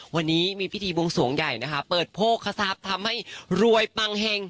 วันนี้มีพิธีบวงสวงใหญ่นะคะเปิดโภคทรัพย์ทำให้รวยปังเฮง